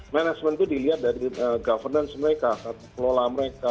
manajemen itu dilihat dari governance mereka atau kelola mereka